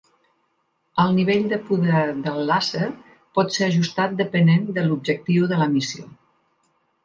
El nivell de poder del làser pot ser ajustat depenent de l'objectiu de la missió.